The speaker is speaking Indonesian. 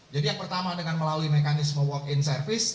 jadi yang pertama dengan melalui mekanisme walk in service